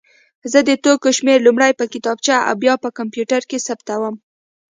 زه د توکو شمېر لومړی په کتابچه او بیا په کمپیوټر کې ثبتوم.